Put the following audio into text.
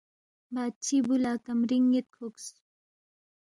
بادشی بُو لہ کمرِنگ نِ٘ت کُھوکس